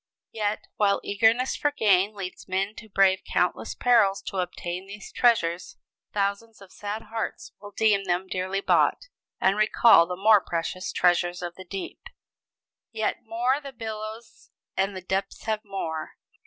Yet, while eagerness for gain leads men to brave countless perils to obtain these treasures, thousands of sad hearts will deem them dearly bought, and recall the more precious treasures of the deep. "Yet more! the billows and the depths have more!